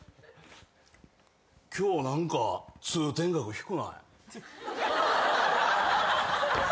今日何か通天閣低ない？